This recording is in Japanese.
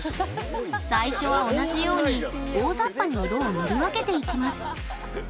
最初は同じように大ざっぱに色を塗り分けていきます